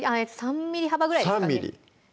３ｍｍ幅ぐらいですかね